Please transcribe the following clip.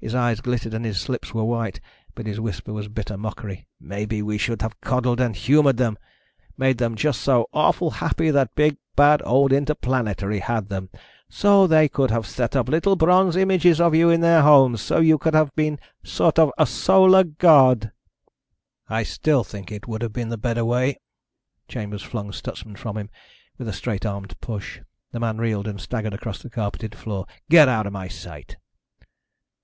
His eyes glittered and his lips were white. But his whisper was bitter mockery. "Maybe we should have coddled and humored them. Made them just so awful happy that big bad old Interplanetary had them. So they could have set up little bronze images of you in their homes. So you could have been sort of a solar god!" "I still think it would have been the better way." Chambers flung Stutsman from him with a straight armed push. The man reeled and staggered across the carpeted floor. "Get out of my sight!"